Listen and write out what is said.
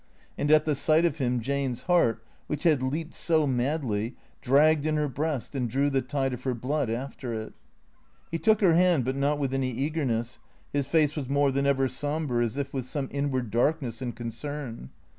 And at the sight of him Jane's heart, which had leaped so madly, dragged in her breast and drew the tide of her blood after it. He took her hand, but not with any eagerness. His face was more than ever sombre, as if with some inward darkness and concern.